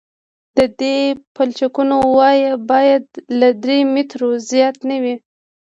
د دې پلچکونو وایه باید له درې مترو زیاته نه وي